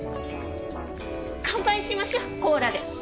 乾杯しましょコーラで！